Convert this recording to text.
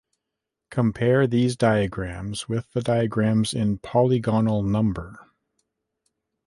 Compare these diagrams with the diagrams in Polygonal number.